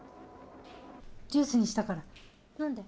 ジュースにしたから飲んで。